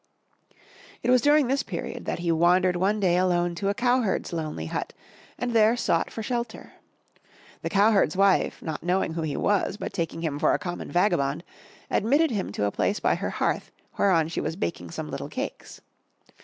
It was during this period, that he wandered one day alone to a cowherd's lonely hut, and there sought for shelter. The cowherd's wife, not knowing who he was, but taking him for a common vagabond, admitted him to a place by her hearth, whereon she was baking some little cakes.